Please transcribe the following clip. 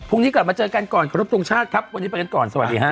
กลับมาเจอกันก่อนขอรบทรงชาติครับวันนี้ไปกันก่อนสวัสดีฮะ